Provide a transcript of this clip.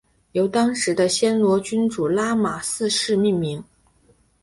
由当时的暹罗君主拉玛四世命名。